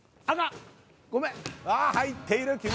あっ入っている。